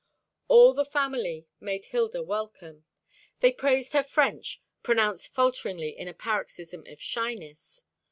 All the family made Hilda welcome. They praised her French, pronounced falteringly in a paroxysm of shyness.